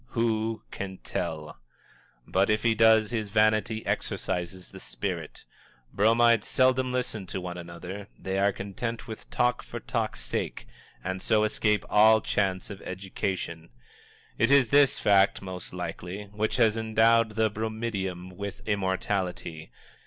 Who can tell! But, if he does, his vanity exorcises the spirit. Bromides seldom listen to one another; they are content with talk for talk's sake, and so escape all chance of education. It is this fact, most likely, which has endowed the bromidiom with immortality.